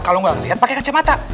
kalau nggak lihat pakai kacamata